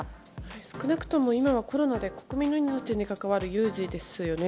少なくとも今はコロナで国民の命に関わる有事ですよね。